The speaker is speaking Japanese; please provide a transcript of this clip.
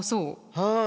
はい。